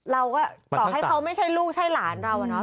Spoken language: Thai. เราก็ต่อให้เขาไม่ใช่ลูกใช่หลานเราอะเนาะ